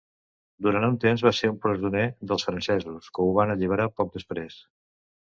Durant un temps va ser presoner dels francesos, que ho van alliberar poc després.